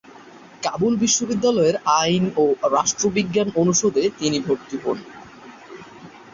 কাবুল বিশ্ববিদ্যালয়ের আইন ও রাষ্ট্রবিজ্ঞান অনুষদে ভর্তি হন।